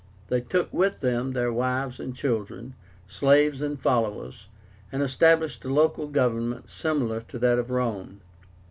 They took with them their wives and children, slaves and followers, and established a local government similar to that of Rome.